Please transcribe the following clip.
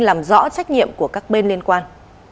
làm rõ trách nhiệm của các bên liên quan